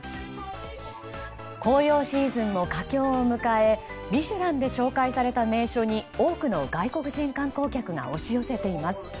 紅葉シーズンも佳境を迎え「ミシュラン」で紹介された名所に多くの外国人観光客が訪れています。